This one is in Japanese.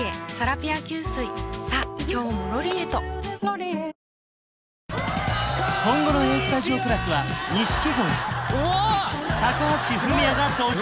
「ＷＩＤＥＪＥＴ」今後の「ＡＳＴＵＤＩＯ＋」は錦鯉高橋文哉が登場！